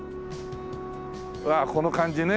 わあこの感じね。